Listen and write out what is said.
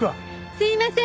すいません！